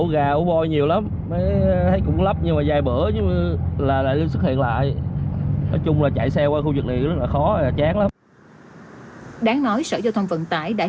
đáng nói sở giao thông vận tải đã chỉnh ra một số vật liệu